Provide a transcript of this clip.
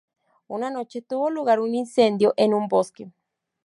Una noche tuvo lugar un incendio en un bosque.